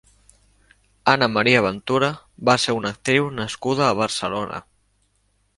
Ana María Ventura va ser una actriu nascuda a Barcelona.